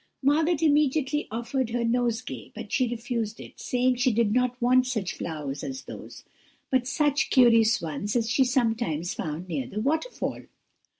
"Margot immediately offered her nosegay, but she refused it, saying she did not want such flowers as those, but such curious ones as she sometimes found near the waterfall.